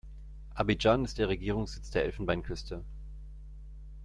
Abidjan ist der Regierungssitz der Elfenbeinküste.